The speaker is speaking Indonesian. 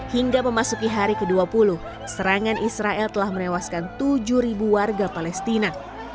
hingga memasuki hari ke dua puluh serangan israel telah menewaskan tujuh warga palestina